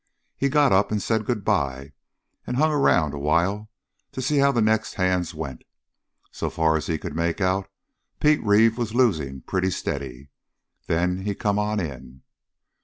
He got up and said good bye and hung around a while to see how the next hands went. So far as he could make out, Pete Reeve was losing pretty steady. Then he come on in.